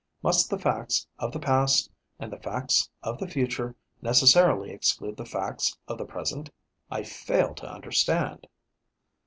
Must the facts of the past and the facts of the future necessarily exclude the facts of the present? I fail to understand.